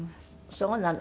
そうなの。